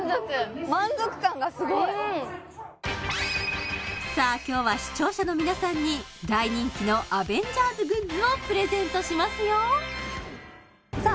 満足さあ今日は視聴者の皆さんに大人気のアベンジャーズグッズをプレゼントしますよさあ